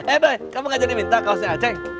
eh by kamu gak jadi minta kaosnya aceh